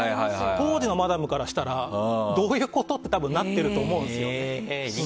当時のマダムからいたらどういうこと？ってなっていると思います。